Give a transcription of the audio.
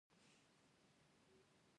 هغه هڅه کوي چې خپله پانګه زیاته کړي